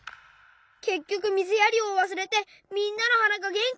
けっきょくみずやりをわすれてみんなのはながげんきなくなっちゃった！